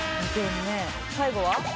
最後は？」